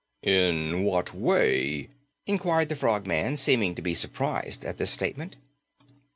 "In what way?" inquired the Frogman, seeming to be surprised at this statement.